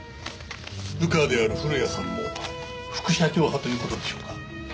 部下である古谷さんも副社長派という事でしょうか？